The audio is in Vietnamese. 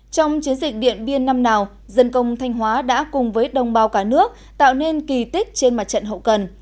trong chiến dịch điện biên năm nào dân công thanh hóa đã cùng với đồng bào cả nước tạo nên kỳ tích trên mặt trận hậu cần